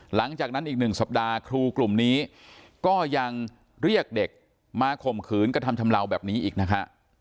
หลังจากนั้นอีก๑สัปดาห์ครูกลุ่มนี้ก็ยังเรียกเด็กมาข่มขืนกระทำชำเลาแบบนี้อีกนะฮะ